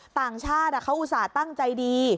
ต่างชาติเขาอุตส่าห์ตั้งใจดี